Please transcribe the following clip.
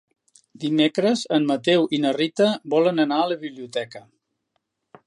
Dimecres en Mateu i na Rita volen anar a la biblioteca.